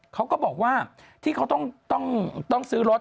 เขาก็บอกว่าที่เขาต้องซื้อรถ